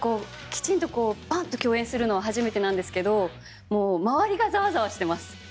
きちんとバーンと共演するのは初めてなんですが周りがザワザワしてます。